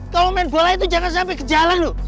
kalau main bola itu jangan sampai ke jalan loh